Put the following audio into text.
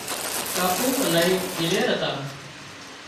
ٻاپو الاهي دلير هتا